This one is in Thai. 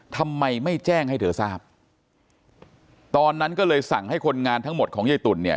ทำไมไม่แจ้งให้เธอทราบตอนนั้นก็เลยสั่งให้คนงานทั้งหมดของยายตุ๋นเนี่ย